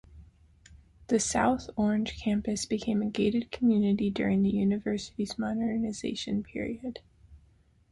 The South Orange campus became a gated community during the University's Modernization Period.